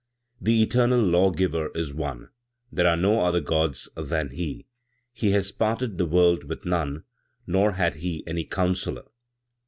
"The eternal Lawgiver is One; there are no other Gods than He; He has parted the world with none, nor had He any counsellor.